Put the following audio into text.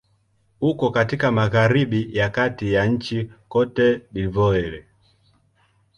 Uko katika magharibi ya kati ya nchi Cote d'Ivoire.